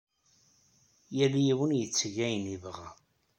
Yal yiwen yetteg ayen ay yebɣa.